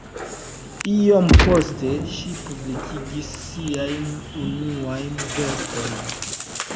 Iom poste ŝi publikigis siajn unuajn verkojn.